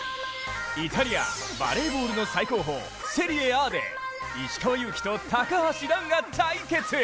イタリア、バレーボールの最高峰セリエＡで石川祐希と高橋藍が対決。